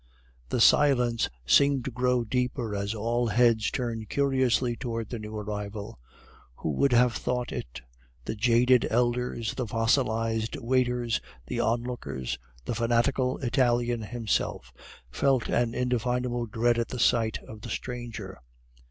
The silence seemed to grow deeper as all heads turned curiously towards the new arrival. Who would have thought it? The jaded elders, the fossilized waiters, the onlookers, the fanatical Italian himself, felt an indefinable dread at sight of the stranger.